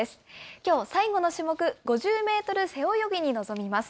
きょう、最後の種目、５０メートル背泳ぎに臨みます。